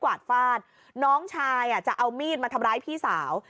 วาดฟาดน้องชายจะเอามีดมาทำร้ายพี่สาว